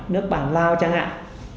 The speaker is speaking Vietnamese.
nước bản rào chẳng hạn